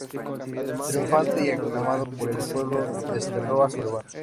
Triunfante y aclamado por el pueblo desterró a su rival.